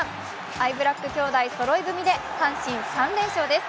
アイブラック兄弟そろい踏みで阪神３連勝です。